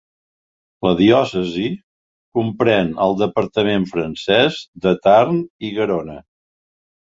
La diòcesi comprèn el departament francès de Tarn i Garona.